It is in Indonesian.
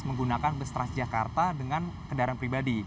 menggunakan bus transjakarta dengan kendaraan pribadi